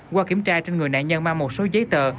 qua kiểm tra trên người nạn nhân mang một số giấy tờ